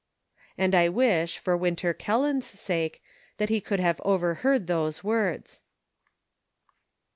And I wish, for Winter Kelland's sake, that he could have overheard those words.